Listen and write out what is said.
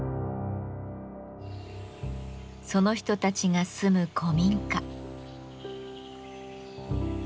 その人たちが住む古民家。